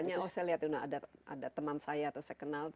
misalnya saya lihat ada teman saya atau saya kenal